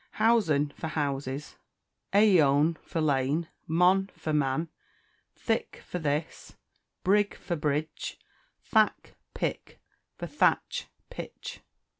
Housen for houses; a ioyne for lane; mon for man; thik for this; brig for bridge; thack, pick, for thatch, pitch.